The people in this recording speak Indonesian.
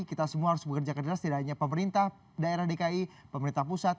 kita semua harus bekerja keras tidak hanya pemerintah daerah dki pemerintah pusat